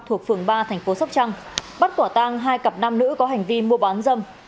thuộc phường ba thành phố sóc trăng bắt quả tang hai cặp nam nữ có hành vi mua bán dâm